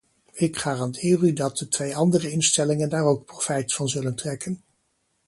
Ik garandeer u dat de twee andere instellingen daar ook profijt van zullen trekken.